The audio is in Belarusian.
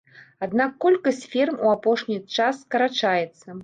Аднак колькасць ферм у апошні час скарачаецца.